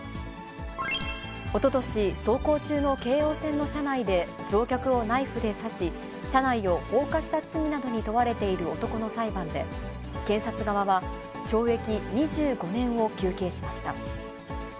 おととし、走行中の京王線の車内で、乗客をナイフで刺し、車内を放火した罪などに問われている男の裁判で、検察側は懲役２５年を求刑しました。